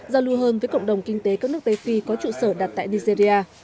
giao lưu hơn với cộng đồng kinh tế các nước tây phi có trụ sở đặt tại nigeria